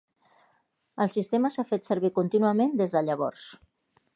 El sistema s'ha fet servir contínuament des de llavors.